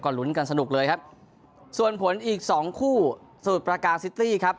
ลุ้นกันสนุกเลยครับส่วนผลอีกสองคู่สมุทรประการซิตรีครับ